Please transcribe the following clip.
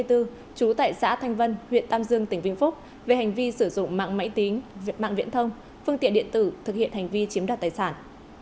trú tại xã thanh vân huyện tam dương tỉnh vĩnh phúc về hành vi sử dụng mạng máy tính mạng viễn thông phương tiện điện tử thực hiện hành vi chiếm đoạt tài sản